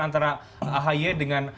antara ahaye dengan